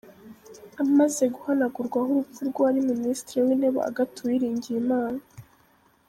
Amaze guhanagurwaho urupfu rw’uwari Ministre w’Intebe Agathe Uwiringiyimana.